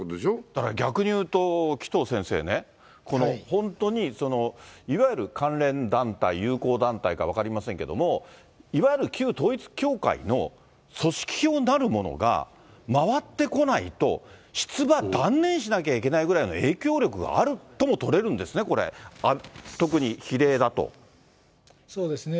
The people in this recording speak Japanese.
だから逆に言うと、紀藤先生ね、この本当に、いわゆる関連団体、友好団体か分かりませんけれども、いわゆる旧統一教会の組織票なるものが回ってこないと、出馬断念しなきゃいけないぐらいの影響力があるとも取れるんですそうですね。